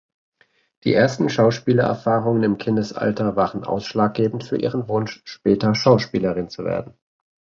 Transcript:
Die ersten Schauspielerfahrungen im Kindesalter waren ausschlaggebend für ihren Wunsch, später Schauspielerin zu werden.